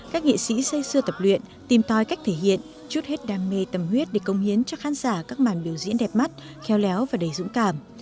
các nghệ sĩ say sư tập luyện tìm tòi cách thể hiện chút hết đam mê tâm huyết để công hiến cho khán giả các màn biểu diễn đẹp mắt khéo léo và đầy dũng cảm